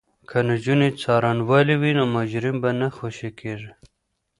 که نجونې څارنوالې وي نو مجرم به نه خوشې کیږي.